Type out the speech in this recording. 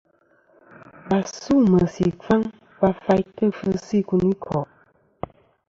Và su meysì ɨkfaŋ va faytɨ kfɨsɨ ikunikò'.